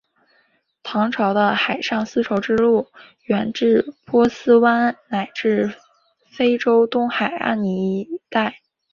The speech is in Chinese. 唐朝的海上丝绸之路远至波斯湾乃至非洲东海岸一带。